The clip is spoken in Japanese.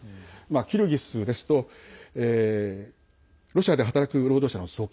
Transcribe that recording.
キルギスですとロシアで働く労働者の送金